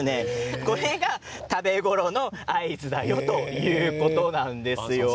これが食べ頃の合図だよということなんです。